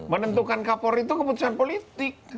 menentukan kapolri itu keputusan politik